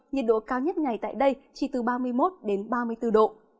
nhiệt độ cao nhất ngày tại đây chỉ từ ba mươi một đến ba mươi bốn độ